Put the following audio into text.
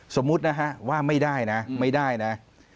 สมมุติว่าไม่ได้นะ